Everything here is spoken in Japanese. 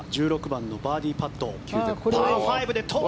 １６番のバーディーパット。